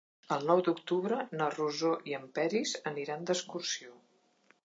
El nou d'octubre na Rosó i en Peris aniran d'excursió.